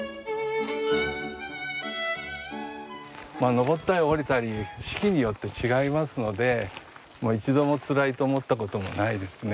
登ったり下りたり四季によって違いますので一度もつらいと思ったこともないですね。